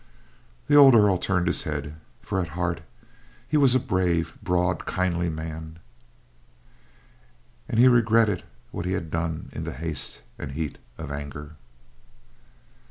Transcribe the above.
The old Earl turned his head, for at heart he was a brave, broad, kindly man, and he regretted what he had done in the haste and heat of anger.